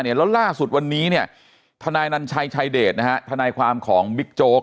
แล้วล่าสุดวันนี้ทนายนัญชัยชายเดชทนายความของบิ๊กโจ๊ก